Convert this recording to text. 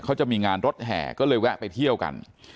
เขาจะมีงานรถแห่ก็เลยแวะไปเที่ยวกัน